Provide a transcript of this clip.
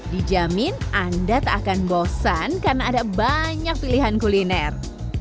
dijamin anda tak akan bosan karena ada banyak pilihan kuliner